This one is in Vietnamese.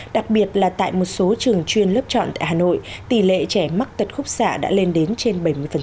đặc biệt là tại một số trường chuyên lớp chọn tại hà nội tỷ lệ trẻ mắc tật khúc xạ đã lên đến trên bảy mươi